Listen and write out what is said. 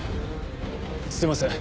すいません